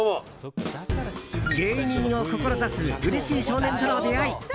芸人を志すうれしい少年との出会い。